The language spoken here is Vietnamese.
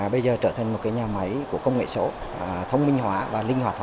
bây giờ trở thành một nhà máy của công nghệ số thông minh hóa và linh hoạt